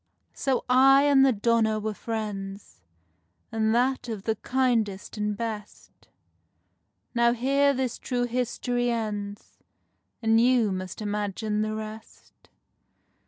So I and the donna were friends, And that of the kindest and best; Now here this true history ends, And you must imagine the rest.